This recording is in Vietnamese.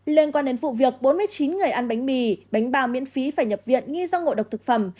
liên quan đến vụ việc bốn mươi chín người ăn bánh mì bánh ba miễn phí phải nhập viện nghi do ngộ độc thực phẩm